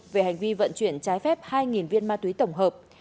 về hành vi vận chuyển trái phép hai viên ma túy tổng hợp